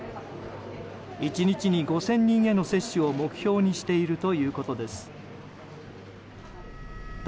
１日に５０００人への接種を目標にしているということです。